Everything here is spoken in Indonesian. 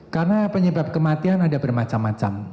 karena penyebab kematian ada bermacam macam